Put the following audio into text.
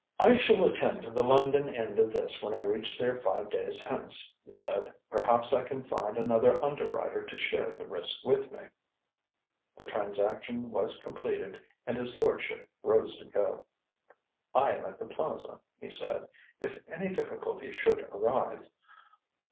"I shall attend to the London end of this when I reach there five days hence," he said. "Perhaps I can find another underwriter to share the risk with me." The transaction was completed, and his lordship rose to go. "I am at the Plaza," he said, "if any difficulty should arise.